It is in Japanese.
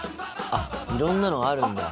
あっいろんなのがあるんだ。